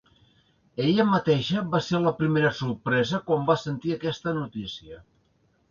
Ella mateixa va ser la primera sorpresa quan va sentir aquesta notícia.